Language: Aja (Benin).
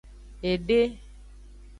Ede.